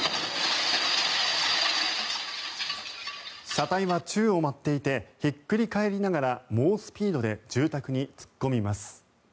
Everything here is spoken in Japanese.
車体は宙を舞っていてひっくり返りながら猛スピードで住宅に突っ込みます。